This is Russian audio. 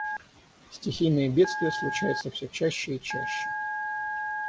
Стхийные бедствия случаются все чаще и чаще.